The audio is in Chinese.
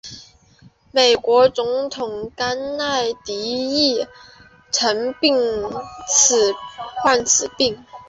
美国总统甘乃迪亦曾患此病。